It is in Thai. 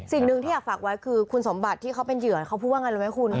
สิ่งหนึ่งที่อยากฝากไว้คือคุณสมบัติที่เขาเป็นเหยื่อเขาพูดว่าไงรู้ไหมคุณ